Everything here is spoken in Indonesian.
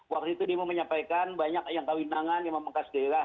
waktu itu demo menyampaikan banyak yang kawinangan yang membengkas daerah